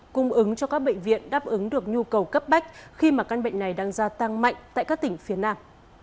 cung ứng cho các bệnh viện đáp ứng được nhu cầu cấp bách khi mà căn bệnh này đang gia tăng mạnh tại các tỉnh phía nam